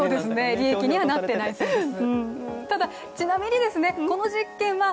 利益にはなっていないそうです。